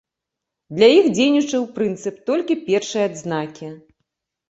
Для іх дзейнічаў прынцып толькі першай адзнакі.